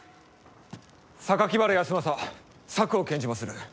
原康政策を献じまする！